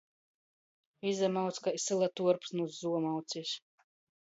Izamauc kai syla tuorps nu zuomaucis.